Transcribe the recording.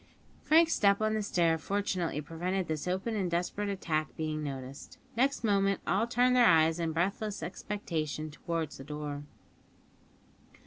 Frank's step on the stair fortunately prevented this open and desperate attack being noticed. Next moment all turned their eyes in breathless expectation towards the door.